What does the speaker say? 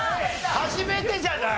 初めてじゃない？